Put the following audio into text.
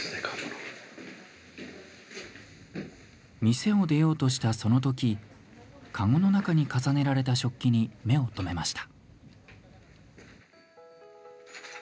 店を出ようとした、そのとき籠の中に重ねられた食器に目を留めました。